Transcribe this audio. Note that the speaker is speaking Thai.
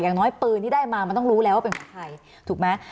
อย่างน้อยปืนที่ได้มามันต้องรู้แล้วว่าเป็นของใครถูกไหม